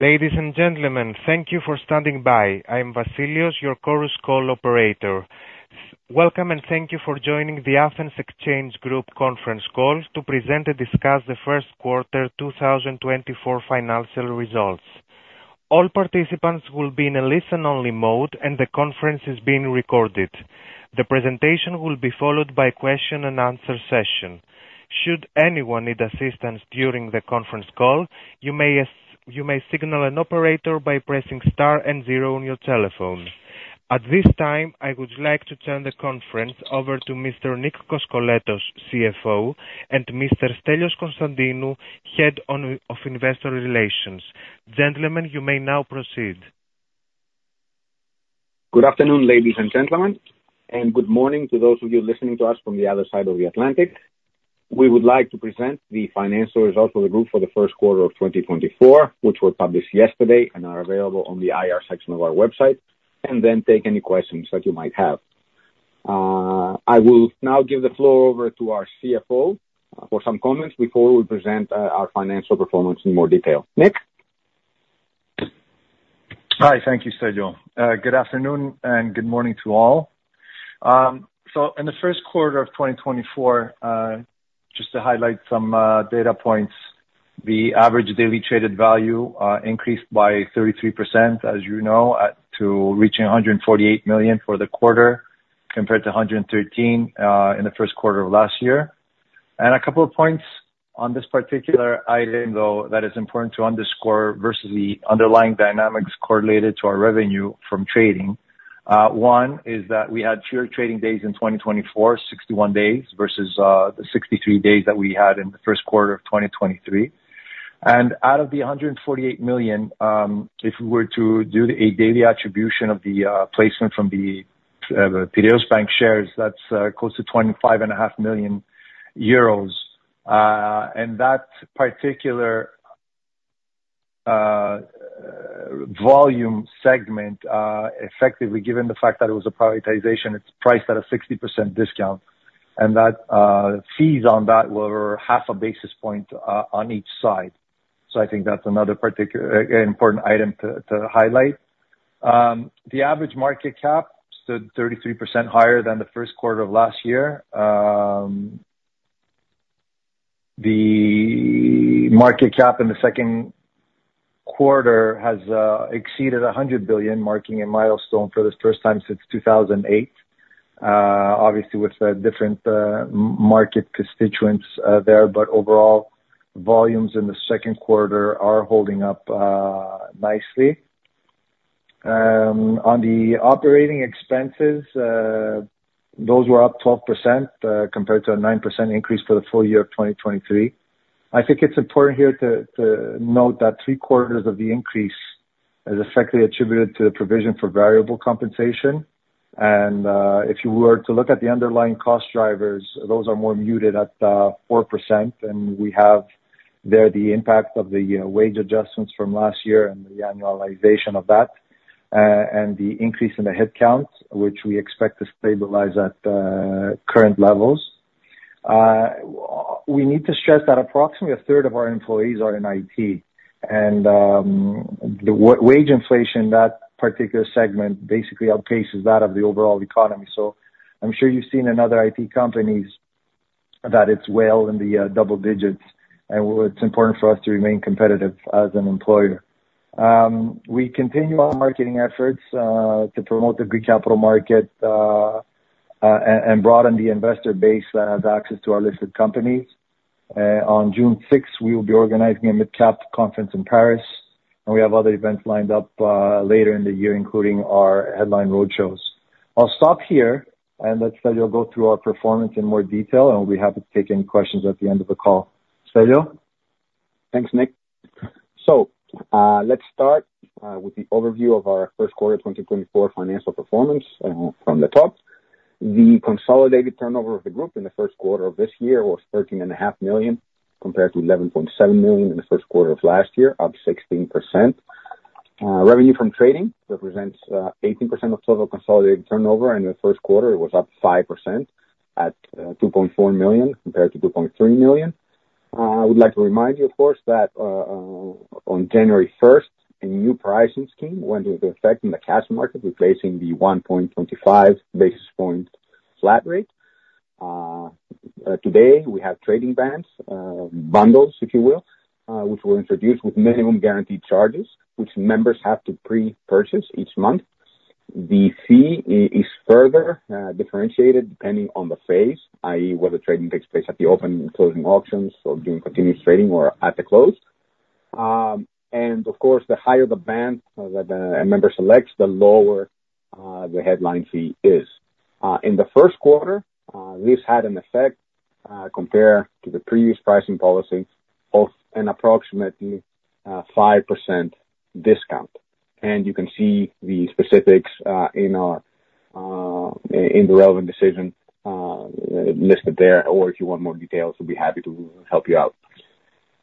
Ladies and gentlemen, thank you for standing by. I am Vasilios, your Chorus Call operator. Welcome, and thank you for joining the Athens Exchange Group conference call to present and discuss the first quarter 2024 financial results. All participants will be in a listen-only mode, and the conference is being recorded. The presentation will be followed by a question and answer session. Should anyone need assistance during the conference call, you may signal an operator by pressing star and zero on your telephone. At this time, I would like to turn the conference over to Mr. Nick Koskoletos, CFO, and Mr. Stelios Constantinou, Head of Investor Relations. Gentlemen, you may now proceed. Good afternoon, ladies and gentlemen, and good morning to those of you listening to us from the other side of the Atlantic. We would like to present the financial results of the group for the first quarter of 2024, which were published yesterday and are available on the IR section of our website, and then take any questions that you might have. I will now give the floor over to our CFO for some comments before we present our financial performance in more detail. Nick? Hi. Thank you, Stelios. Good afternoon, and good morning to all. So in the first quarter of 2024, just to highlight some data points, the average daily traded value increased by 33%, as you know, at to reaching 148 million for the quarter, compared to 113 million in the first quarter of last year. A couple of points on this particular item, though, that is important to underscore versus the underlying dynamics correlated to our revenue from trading. One is that we had fewer trading days in 2024, 61 days, versus the 63 days that we had in the first quarter of 2023. Out of the 148 million, if we were to do a daily attribution of the placement from the Piraeus Bank shares, that's close to EUR 25.5 million. That particular volume segment, effectively, given the fact that it was a privatization, it's priced at a 60% discount, and that fees on that were 0.5 basis point on each side. I think that's another particular important item to highlight. The average market cap stood 33% higher than the first quarter of last year. The market cap in the second quarter has exceeded 100 billion, marking a milestone for the first time since 2008. Obviously with the different market constituents, but overall, volumes in the second quarter are holding up nicely. On the operating expenses, those were up 12% compared to a 9% increase for the full year of 2023. I think it's important here to note that three quarters of the increase is effectively attributed to the provision for variable compensation, and if you were to look at the underlying cost drivers, those are more muted at 4%, and we have there the impact of the wage adjustments from last year and the annualization of that, and the increase in the headcount, which we expect to stabilize at current levels. We need to stress that approximately a third of our employees are in IT, and the wage inflation in that particular segment basically outpaces that of the overall economy. So I'm sure you've seen in other IT companies that it's well in the double digits, and it's important for us to remain competitive as an employer. We continue our marketing efforts to promote the Greek capital market and broaden the investor base that has access to our listed companies. On June sixth, we will be organizing a midcap conference in Paris, and we have other events lined up later in the year, including our headline roadshows. I'll stop here, and let Stelios go through our performance in more detail, and we're happy to take any questions at the end of the call. Stelios? Thanks, Nick. So, let's start with the overview of our first quarter 2024 financial performance from the top. The consolidated turnover of the group in the first quarter of this year was 13.5 million, compared to 11.7 million in the first quarter of last year, up 16%. Revenue from trading represents 18% of total consolidated turnover, in the first quarter, it was up 5% at 2.4 million compared to 2.3 million. I would like to remind you, of course, that on January 1, a new pricing scheme went into effect in the cash market, replacing the 1.25 basis point flat rate. Today, we have trading bands, bundles, if you will, which were introduced with minimum guaranteed charges, which members have to pre-purchase each month. The fee is further differentiated, depending on the phase, i.e., whether trading takes place at the open and closing auctions or during continuous trading or at the close. And of course, the higher the band that a member selects, the lower the headline fee is. In the first quarter, this had an effect compared to the previous pricing policy of an approximately 5% discount, and you can see the specifics in our in the relevant decision listed there, or if you want more details, we'll be happy to help you out.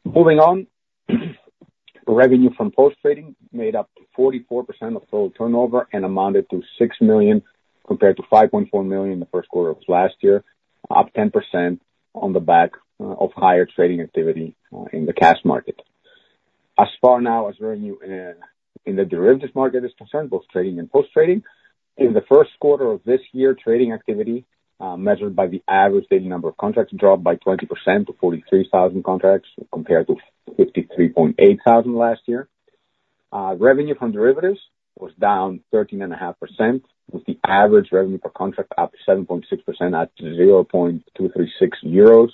Moving on, revenue from Post-trading made up 44% of total turnover and amounted to 6 million-... compared to 5.4 million in the first quarter of last year, up 10% on the back of higher trading activity in the cash market. As far now as revenue in the derivatives market is concerned, both trading and post-trading, in the first quarter of this year, trading activity measured by the average daily number of contracts, dropped by 20% to 43,000 contracts, compared to 53,800 last year. Revenue from derivatives was down 13.5%, with the average revenue per contract up 7.6% at 0.236 euros,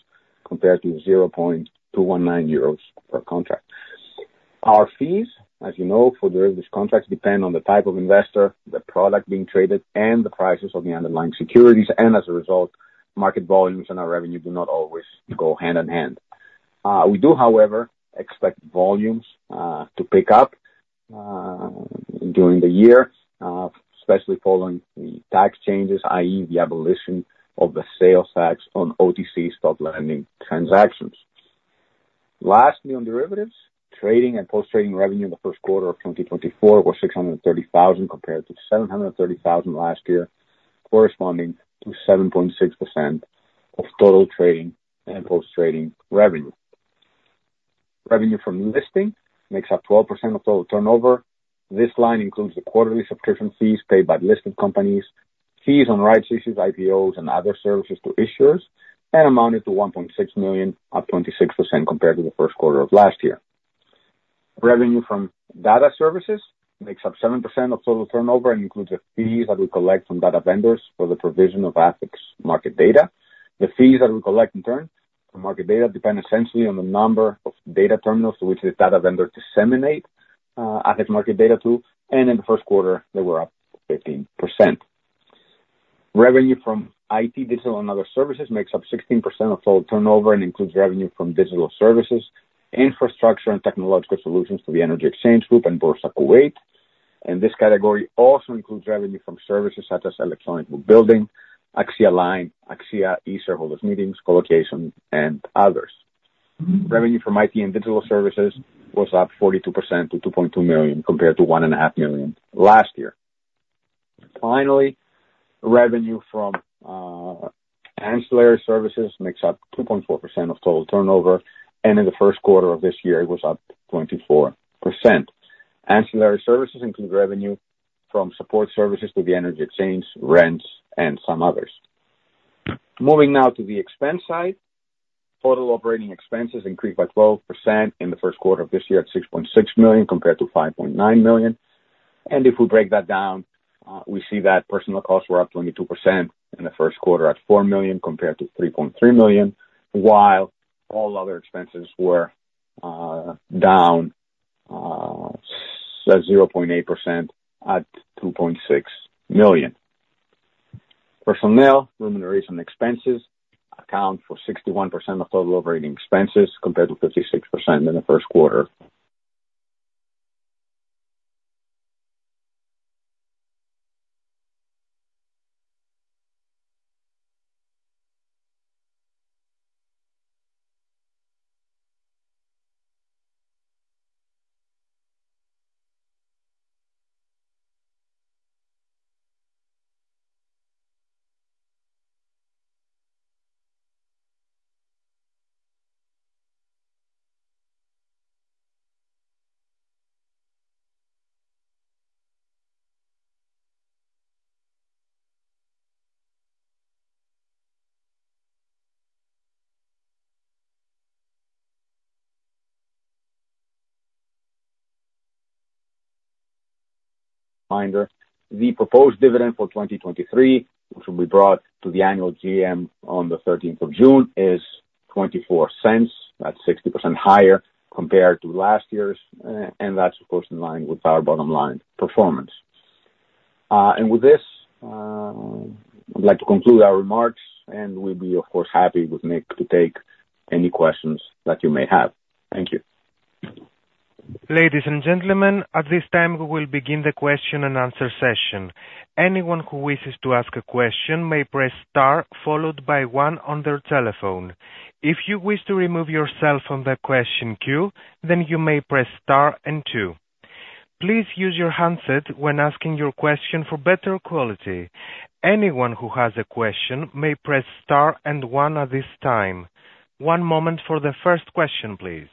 compared to 0.219 euros per contract. Our fees, as you know, for derivatives contracts, depend on the type of investor, the product being traded, and the prices of the underlying securities, and as a result, market volumes and our revenue do not always go hand in hand. We do, however, expect volumes to pick up during the year, especially following the tax changes, i.e., the abolition of the sales tax on OTC stock lending transactions. Lastly, on derivatives, trading and post-trading revenue in the first quarter of 2024 were 630,000, compared to 730,000 last year, corresponding to 7.6% of total trading and post-trading revenue. Revenue from listing makes up 12% of total turnover. This line includes the quarterly subscription fees paid by listed companies, fees on rights issues, IPOs, and other services to issuers, and amounted to 1.6 million, up 26% compared to the first quarter of last year. Revenue from data services makes up 7% of total turnover, and includes the fees that we collect from data vendors for the provision of Athens Market data. The fees that we collect in turn from market data depend essentially on the number of data terminals to which the data vendor disseminate Athens Market data to, and in the first quarter, they were up 15%. Revenue from IT, digital and other services makes up 16% of total turnover, and includes revenue from digital services, infrastructure and technological solutions to the Energy Exchange Group, and Boursa Kuwait. This category also includes revenue from services such as electronic book building, AXIAline, AXIA e-Shareholder Meetings, colocation, and others. Revenue from IT and digital services was up 42% to 2.2 million, compared to 1.5 million last year. Finally, revenue from ancillary services makes up 2.4% of total turnover, and in the first quarter of this year, it was up 24%. Ancillary services include revenue from support services to the energy exchange, rents, and some others. Moving now to the expense side. Total operating expenses increased by 12% in the first quarter of this year at 6.6 million, compared to 5.9 million, and if we break that down, we see that personal costs were up 22% in the first quarter at 4 million compared to 3.3 million, while all other expenses were down so 0.8% at 2.6 million. Personnel remuneration expenses account for 61% of total operating expenses, compared to 56% in the first quarter. Reminder, the proposed dividend for 2023, which will be brought to the annual GM on the 13th of June, is 0.24. That's 60% higher compared to last year's, and that's of course in line with our bottom line performance. With this, I'd like to conclude our remarks, and we'll be, of course, happy with Nick to take any questions that you may have. Thank you. Ladies and gentlemen, at this time, we will begin the question and answer session. Anyone who wishes to ask a question may press star, followed by one on their telephone. If you wish to remove yourself from the question queue, then you may press star and two. Please use your handset when asking your question for better quality. Anyone who has a question may press star and one at this time. One moment for the first question, please.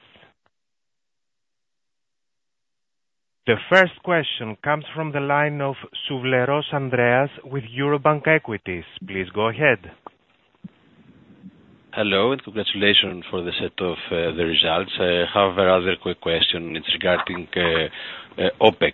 The first question comes from the line of Andreas Souvleros with Eurobank Equities. Please go ahead. Hello, and congratulations for the set of, the results. However, other quick question, it's regarding, OpEx.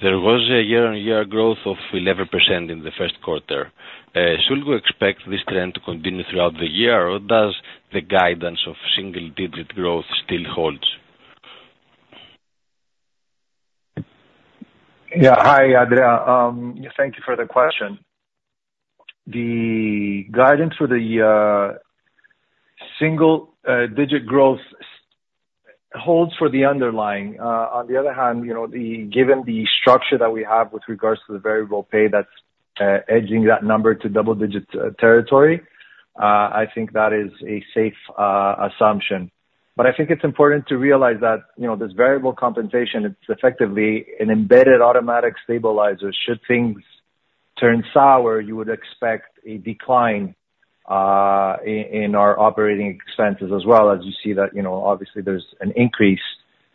There was a year-on-year growth of 11% in the first quarter. Should we expect this trend to continue throughout the year, or does the guidance of single-digit growth still holds? Yeah. Hi, Andrea. Thank you for the question. The guidance for the single digit growth holds for the underlying. On the other hand, you know, given the structure that we have with regards to the variable pay that's edging that number to double digits territory, I think that is a safe assumption. ...But I think it's important to realize that, you know, this variable compensation, it's effectively an embedded automatic stabilizer. Should things turn sour, you would expect a decline in our Operating Expenses as well. As you see that, you know, obviously there's an increase,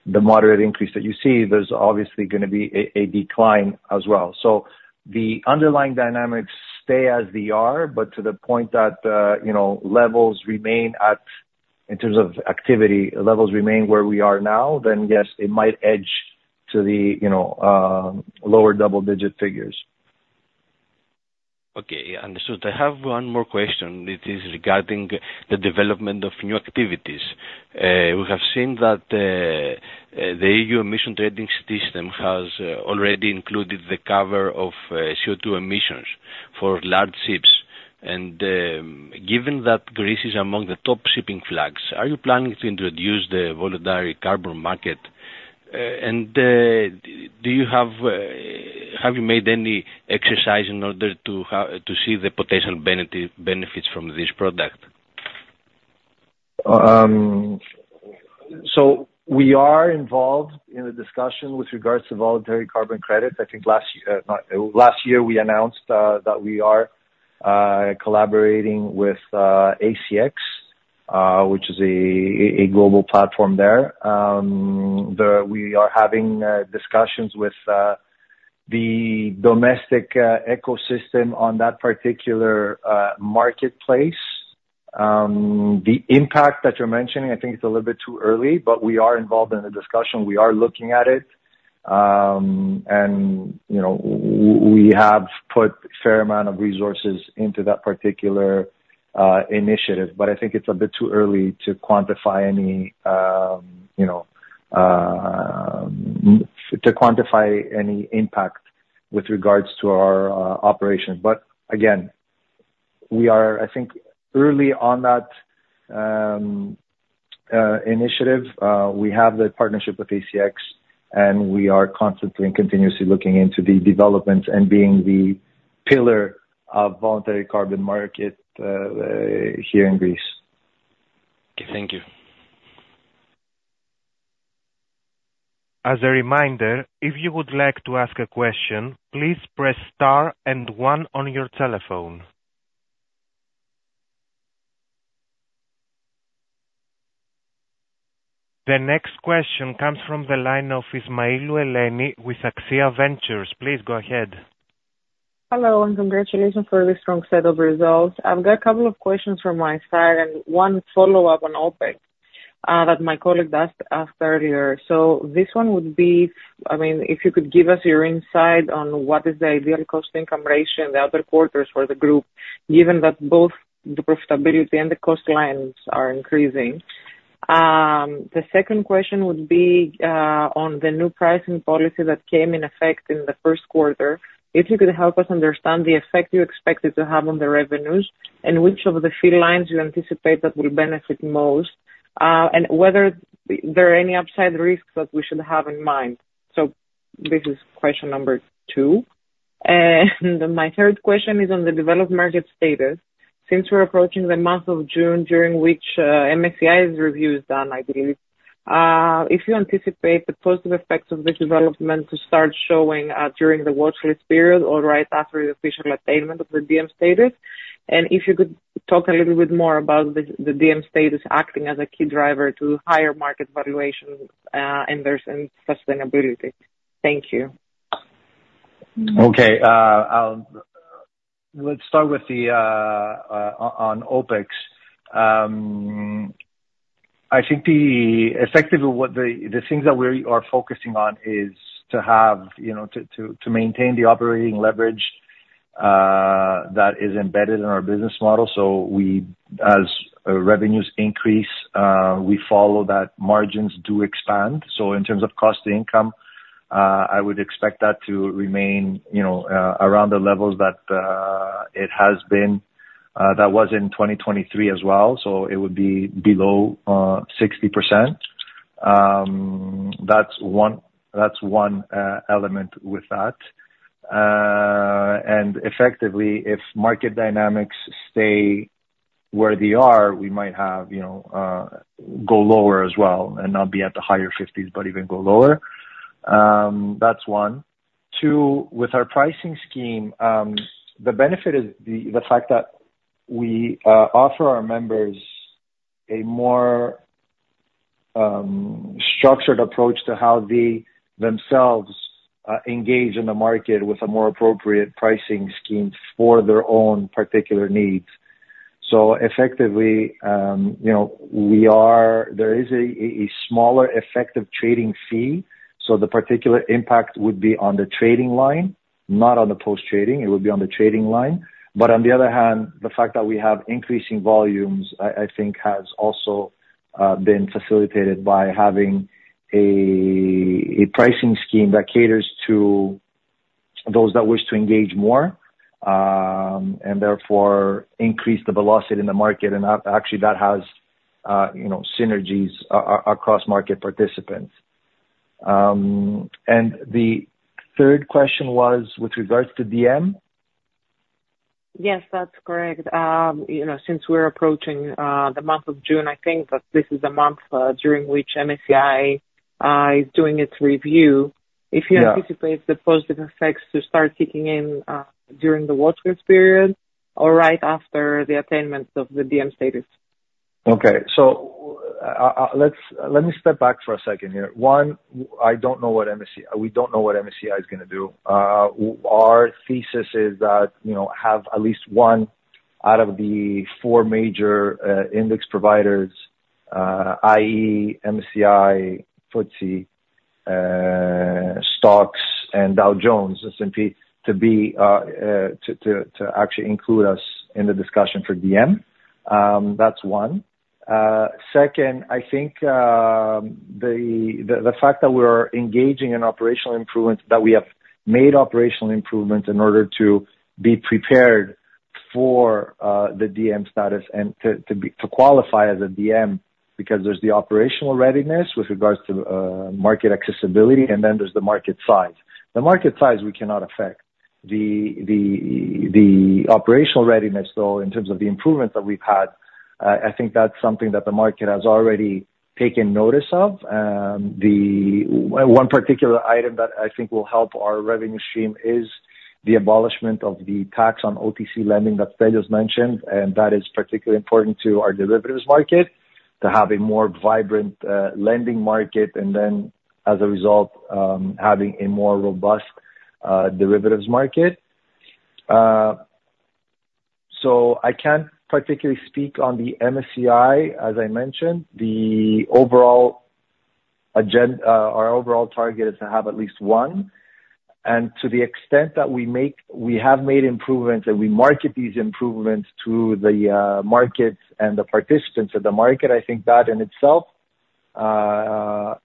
the moderate increase that you see, there's obviously gonna be a decline as well. So the underlying dynamics stay as they are, but to the point that, you know, levels remain at, in terms of activity, levels remain where we are now, then yes, it might edge to the, you know, lower double digit figures. Okay, understood. I have one more question. It is regarding the development of new activities. We have seen that the EU emission trading system has already included the cover of CO2 emissions for large ships. Given that Greece is among the top shipping flags, are you planning to introduce the voluntary carbon market? And have you made any exercise in order to see the potential benefits from this product? So we are involved in a discussion with regards to voluntary carbon credit. I think last year, last year, we announced that we are collaborating with ACX, which is a global platform there. We are having discussions with the domestic ecosystem on that particular marketplace. The impact that you're mentioning, I think it's a little bit too early, but we are involved in the discussion, we are looking at it. And, you know, we have put a fair amount of resources into that particular initiative, but I think it's a bit too early to quantify any, you know, to quantify any impact with regards to our operation. But again, we are, I think, early on that initiative. We have the partnership with ACX, and we are constantly and continuously looking into the developments and being the pillar of voluntary carbon market here in Greece. Okay, thank you. As a reminder, if you would like to ask a question, please press star and one on your telephone. The next question comes from the line of Ismailou Eleni with Axia Ventures. Please go ahead. Hello, and congratulations for a very strong set of results. I've got a couple of questions from my side and one follow-up on OpEx that my colleague asked earlier. So this one would be, I mean, if you could give us your insight on what is the ideal cost income ratio in the other quarters for the group, given that both the profitability and the cost lines are increasing. The second question would be on the new pricing policy that came in effect in the first quarter. If you could help us understand the effect you expect it to have on the revenues, and which of the fee lines you anticipate that will benefit most, and whether there are any upside risks that we should have in mind. So this is question number two. And my third question is on the developed market status. Since we're approaching the month of June, during which, MSCI's review is done, I believe, if you anticipate the positive effects of this development to start showing, during the watchlist period or right after the official attainment of the DM status, and if you could talk a little bit more about the, the DM status acting as a key driver to higher market valuation, and there's, and sustainability? Thank you. Okay. I'll... Let's start with the on OpEx. I think effectively what the things that we are focusing on is to have, you know, to maintain the operating leverage that is embedded in our business model. So we, as revenues increase, we follow that, margins do expand. So in terms of cost to income, I would expect that to remain, you know, around the levels that it has been, that was in 2023 as well, so it would be below 60%. That's one element with that. And effectively, if market dynamics stay where they are, we might have, you know, go lower as well and not be at the higher 50s, but even go lower. That's one. Two, with our pricing scheme, the benefit is the fact that we offer our members a more structured approach to how they themselves engage in the market with a more appropriate pricing scheme for their own particular needs. So effectively, you know, there is a smaller effective trading fee, so the particular impact would be on the trading line, not on the post-trading. It would be on the trading line. But on the other hand, the fact that we have increasing volumes, I think, has also been facilitated by having a pricing scheme that caters to those that wish to engage more and therefore increase the velocity in the market, and that, actually, that has, you know, synergies across market participants. And the third question was with regards to DM?... Yes, that's correct. You know, since we're approaching the month of June, I think that this is a month during which MSCI is doing its review. Yeah. If you anticipate the positive effects to start kicking in during the watch period or right after the attainment of the DM status? Okay. So, let me step back for a second here. One, I don't know what MSCI... We don't know what MSCI is gonna do. Our thesis is that, you know, have at least one out of the four major index providers, i.e., MSCI, FTSE, STOXX and Dow Jones, S&P, to be, to actually include us in the discussion for DM. That's one. Second, I think, the fact that we're engaging in operational improvements, that we have made operational improvements in order to be prepared for the DM status and to be, to qualify as a DM, because there's the operational readiness with regards to market accessibility, and then there's the market size. The market size, we cannot affect. The operational readiness, though, in terms of the improvements that we've had, I think that's something that the market has already taken notice of. The one particular item that I think will help our revenue stream is the abolishment of the tax on OTC lending that Stelios mentioned, and that is particularly important to our derivatives market, to have a more vibrant lending market, and then, as a result, having a more robust derivatives market. So I can't particularly speak on the MSCI, as I mentioned. Our overall target is to have at least one, and to the extent that we have made improvements, and we market these improvements to the markets and the participants of the market, I think that in itself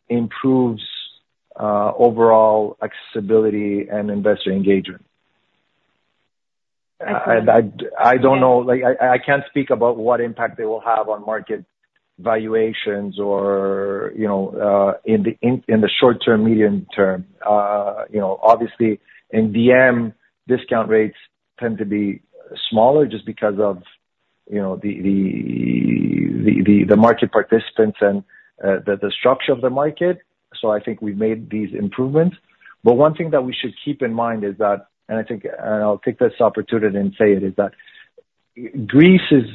improves overall accessibility and investor engagement. I see. And I don't know, like I can't speak about what impact they will have on market valuations or, you know, in the short term, medium term. You know, obviously, in DM, discount rates tend to be smaller just because of, you know, the market participants and the structure of the market. So I think we've made these improvements. But one thing that we should keep in mind is that, and I think, and I'll take this opportunity and say it, is that Greece is...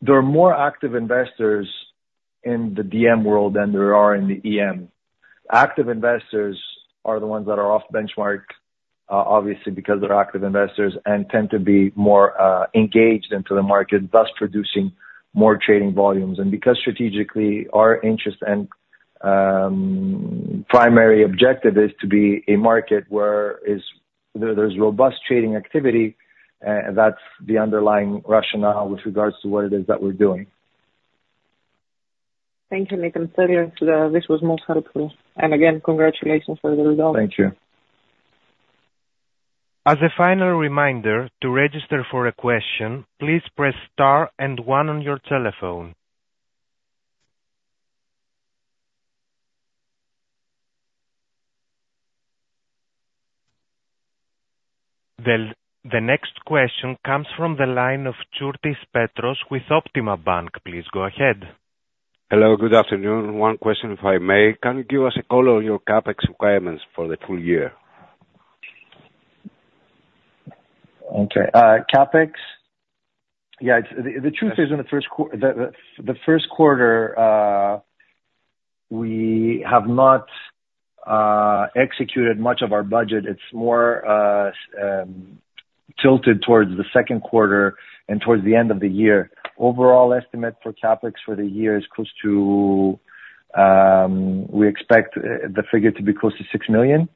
There are more active investors in the DM world than there are in the EM. Active investors are the ones that are off benchmark, obviously, because they're active investors and tend to be more engaged into the market, thus producing more trading volumes. Because strategically, our interest and primary objective is to be a market where there's robust trading activity, that's the underlying rationale with regards to what it is that we're doing. Thank you, Nick and Stelios. This was most helpful. And again, congratulations for the results. Thank you. As a final reminder, to register for a question, please press star and one on your telephone. The next question comes from the line of Petros Tsourtis with Optima Bank. Please go ahead. Hello, good afternoon. One question, if I may. Can you give us a call on your CapEx requirements for the full year? Okay. CapEx? Yeah, it's the truth is, in the first quarter, we have not executed much of our budget. It's more tilted towards the second quarter and towards the end of the year. Overall estimate for CapEx for the year is close to, we expect the figure to be close to 6 million.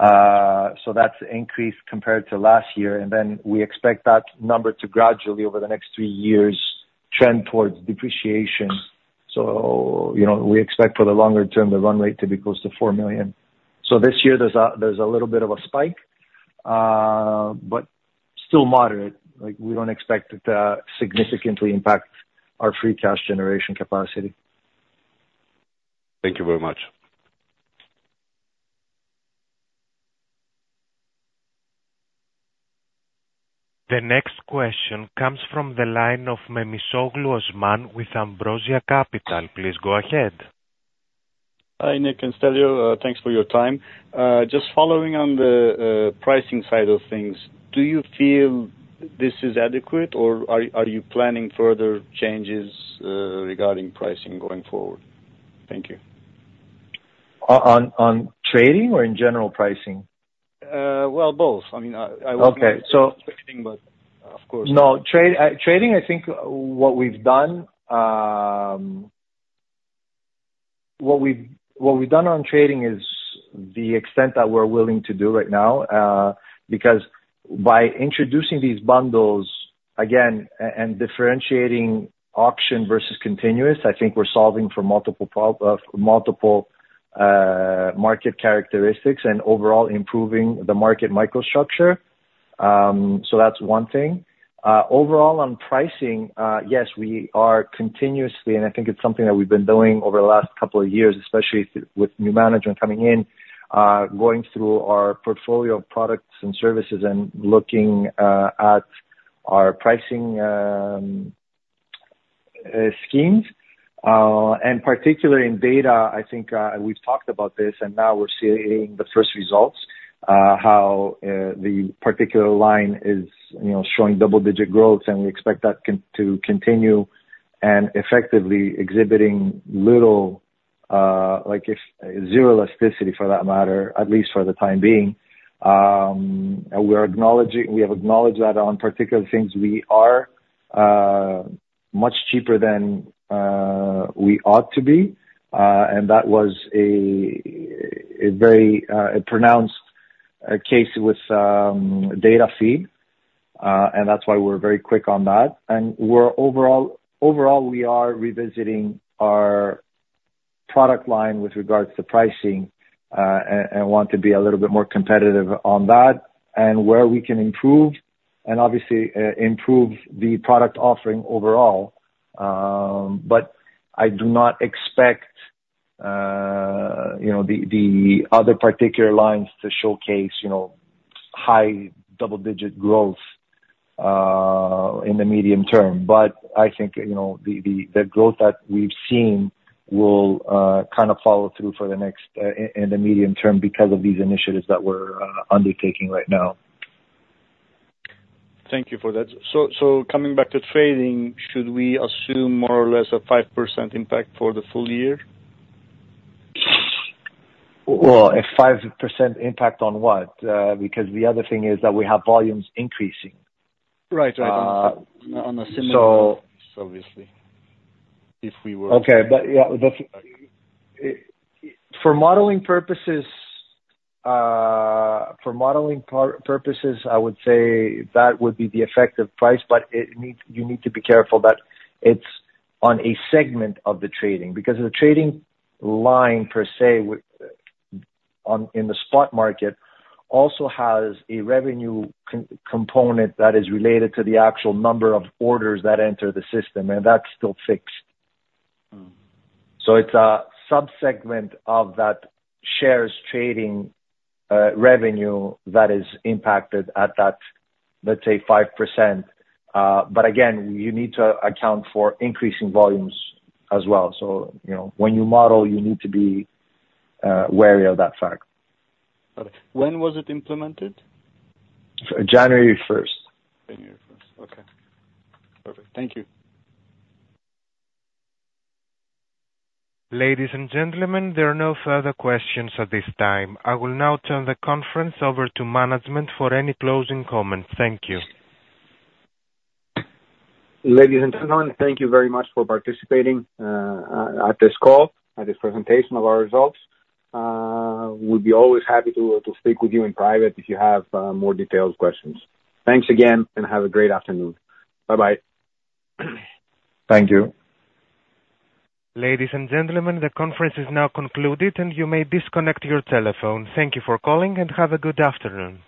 So that's an increase compared to last year, and then we expect that number to gradually, over the next three years, trend towards depreciation. So, you know, we expect for the longer term, the run rate to be close to 4 million. So this year there's a little bit of a spike, but still moderate. Like, we don't expect it to significantly impact our free cash generation capacity. Thank you very much. The next question comes from the line of Osman Memisoglu with Ambrosia Capital. Please go ahead. Hi, Nick and Stelios, thanks for your time. Just following on the pricing side of things, do you feel this is adequate, or are you planning further changes regarding pricing going forward? Thank you. On trading or in general pricing? Well, both. I mean, Okay. So- trading, but of course. No, trading, I think what we've done... What we've done on trading is the extent that we're willing to do right now, because by introducing these bundles again and differentiating auction versus continuous, I think we're solving for multiple market characteristics and overall improving the market microstructure. So that's one thing. Overall, on pricing, yes, we are continuously, and I think it's something that we've been doing over the last couple of years, especially with new management coming in, going through our portfolio of products and services and looking at our pricing schemes. Particularly in data, I think, and we've talked about this, and now we're seeing the first results, how the particular line is, you know, showing double-digit growth, and we expect that to continue and effectively exhibiting little, like zero elasticity for that matter, at least for the time being. And we have acknowledged that on particular things, we are much cheaper than we ought to be, and that was a very pronounced case with data feed, and that's why we're very quick on that. And overall, we are revisiting our product line with regards to pricing, and want to be a little bit more competitive on that, and where we can improve, and obviously, improve the product offering overall. But I do not expect, you know, the other particular lines to showcase, you know, high double-digit growth, in the medium term. But I think, you know, the growth that we've seen will kind of follow through for the next in the medium term because of these initiatives that we're undertaking right now. Thank you for that. So, coming back to trading, should we assume more or less a 5% impact for the full year? Well, a 5% impact on what? Because the other thing is that we have volumes increasing. Right. Right. Uh- On a similar- So- Obviously, if we were- Okay. But, yeah, for modeling purposes, for modeling purposes, I would say that would be the effective price, but it need, you need to be careful that it's on a segment of the trading. Because the trading line, per se, in the spot market, also has a revenue component that is related to the actual number of orders that enter the system, and that's still fixed. Mm. So it's a sub-segment of that shares trading revenue that is impacted at that, let's say, 5%. But again, you need to account for increasing volumes as well. So, you know, when you model, you need to be wary of that fact. Okay. When was it implemented? January first. January first. Okay. Perfect. Thank you. Ladies and gentlemen, there are no further questions at this time. I will now turn the conference over to management for any closing comments. Thank you. Ladies and gentlemen, thank you very much for participating at this call, at this presentation of our results. We'll be always happy to speak with you in private if you have more detailed questions. Thanks again, and have a great afternoon. Bye-bye. Thank you. Ladies and gentlemen, the conference is now concluded, and you may disconnect your telephone. Thank you for calling, and have a good afternoon.